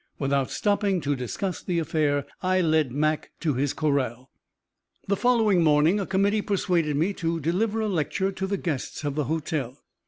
Without stopping to discuss the affair, I led Mac to his corral. The following morning a committee persuaded me to deliver a lecture to the guests of the hotel.